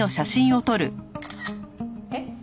えっ？